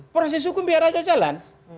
proses hukum biar aja jalan